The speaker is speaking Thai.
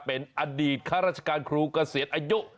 เป็นอดีตข้าราชการครูเกษียณอายุ